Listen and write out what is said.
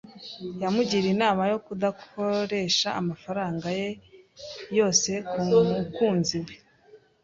Yamugiriye inama yo kudakoresha amafaranga ye yose ku mukunzi we.